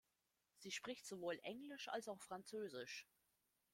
Sie spricht sowohl Englisch als auch Französisch.